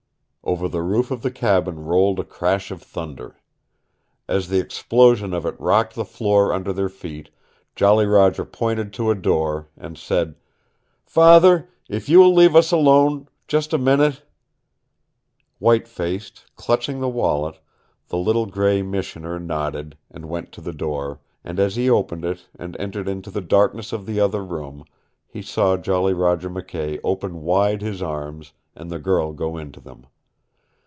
Over the roof of the cabin rolled a crash of thunder. As the explosion of it rocked the floor under their feet, Jolly Roger pointed to a door, and said, "Father, if you will leave us alone just a minute " White faced, clutching the wallet, the little gray Missioner nodded, and went to the door, and as he opened it and entered into the darkness of the other room he saw Jolly Roger McKay open wide his arms, and the girl go into them.